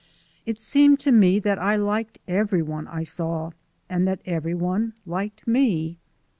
It seemed to me that I liked every one I saw, and that every one liked me.